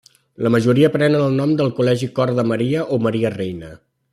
La majoria prenen el nom de Col·legi Cor de Maria o Maria Reina.